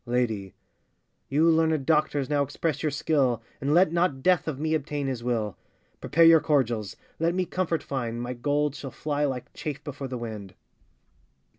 LADY. You learnèd doctors, now express your skill, And let not Death of me obtain his will; Prepare your cordials, let me comfort find, My gold shall fly like chaff before the wind.